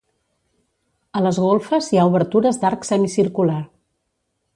A les golfes hi ha obertures d'arc semicircular.